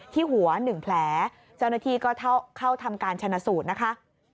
ที่หัว๑แผลเจ้าหน้าที่ก็เข้าทำการชนะสูตรนะคะ